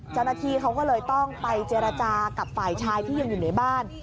เจ้าหน้าที่เขาก็เลยต้องไปเจรจากับฝ่ายชายที่ยังอยู่ในบ้าน